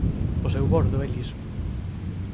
O seu bordo é liso.